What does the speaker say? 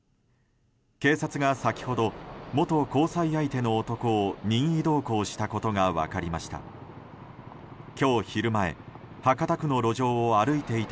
警察が先ほど、元交際相手の男を任意同行したことが分かりました。